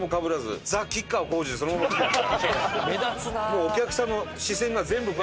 もうお客さんの視線が全部。